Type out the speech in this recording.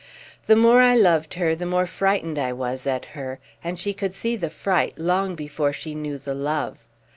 The more I loved her the more frightened I was at her, and she could see the fright long before she knew the love.